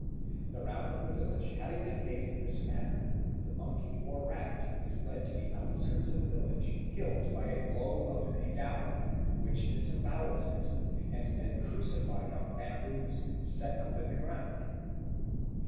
The round of the village having been made in this manner, the monkey or rat is led to the outskirts of the village, killed by a blow of a dao, which disembowels it, and then crucified on bamboos set up in the ground.